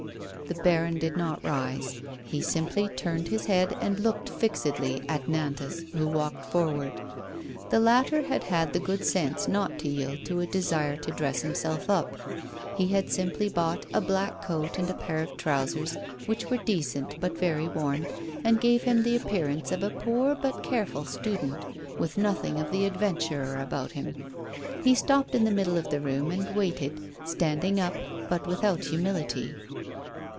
The baron did not rise. He simply turned his head and looked fixedly at Nantas, who walked forward. The latter had had the good sense not to yield to a desire to dress himself up ; he had simply bought a black coat and a pair of trousers, which were decent but very worn, and gave him the appearance of a poor but careful student, with nothing of the adventurer about him. He stopped in the middle of the room and waited, standing up, but without humility.